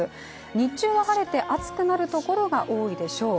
日中は晴れて暑くなるところが多いでしょう。